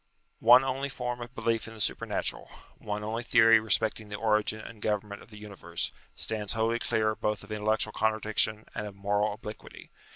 One only form of belief in the supernatural one only theory respecting the origin and government of the universe stands wholly clear both of intellectual contradiction and of moral obliquity.